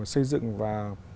xây dựng và